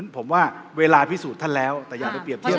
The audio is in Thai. ผมว่าเวลาพิสูจน์ท่านแล้วแต่อย่าไปเรียบเทียบ